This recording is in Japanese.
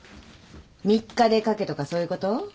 ３日で書けとかそういうこと？